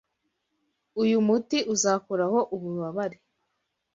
Uyu muti uzakuraho ububabare.